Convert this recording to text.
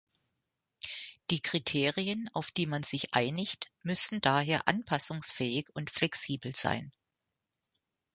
Die Kriterien, auf die man sich einigt, müssen daher anpassungsfähig und flexibel sein.